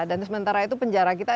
dan sementara itu penjara kita